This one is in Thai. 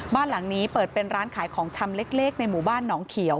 บ้านหลังนี้เปิดเป็นร้านขายของชำเล็กในหมู่บ้านหนองเขียว